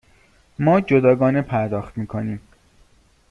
ما جداگانه پرداخت می کنیم.